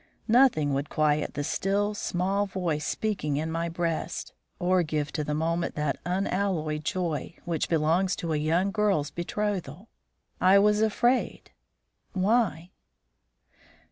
Nothing would quiet the still, small voice speaking in my breast, or give to the moment that unalloyed joy which belongs to a young girl's betrothal. I was afraid. Why?